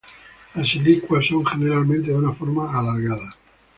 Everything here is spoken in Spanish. Las silicuas son generalmente de una forma alargada.